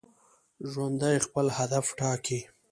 ژوندي خپل هدف ټاکي